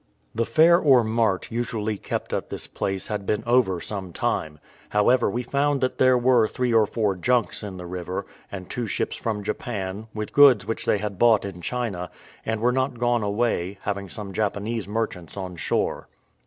The fair or mart usually kept at this place had been over some time; however, we found that there were three or four junks in the river, and two ships from Japan, with goods which they had bought in China, and were not gone away, having some Japanese merchants on shore.